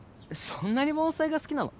そんなに盆栽が好きなの？